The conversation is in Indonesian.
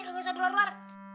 nggak usah keluar luar